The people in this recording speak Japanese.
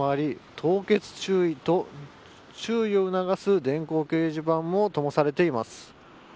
凍結注意と注意を促す電光掲示板もともされています。